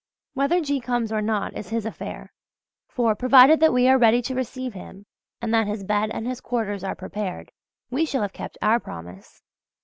Whether G. comes or not is his affair; for, provided that we are ready to receive him, and that his bed and his quarters are prepared, we shall have kept our promise.